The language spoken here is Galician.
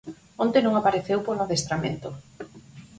Onte non apareceu polo adestramento.